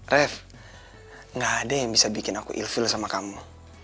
rev gak ada yang bisa bikin aku ill feel sama kamu